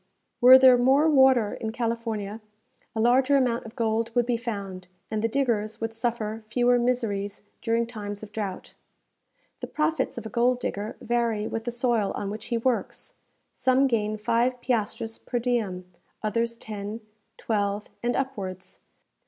Were there more water in California, a larger amount of gold would be found, and the diggers would suffer fewer miseries during times of drought. The profits of a gold digger vary with the soil on which he works. Some gain five piastres per diem, others ten, twelve, and upwards.